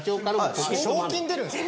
賞金出るんですか？